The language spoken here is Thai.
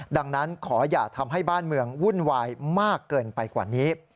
ดังนั้นขออย่าทำให้บ้านเมืองวุ่นวายมากเกินไปกว่านี้